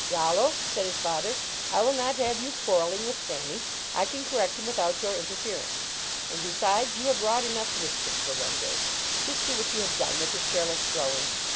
11 Rollo," said his father, " I will not have you qiianvling with Thanny. I can correct him without your interference. And, be sides, you have wrought enough mischief for one day. Just see what you have done with your careless throwing.